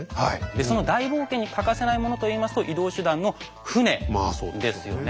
でその大冒険に欠かせないものといいますと移動手段の船ですよね。